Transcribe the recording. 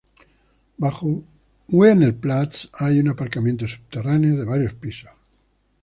Bajo Wiener Platz hay un aparcamiento subterráneo de varios pisos.